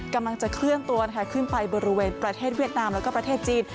กำลังจะเคลื่อนตัวขึ้นไปบริเวณประเทศเวียดนามแล้วก็ประเทศจีน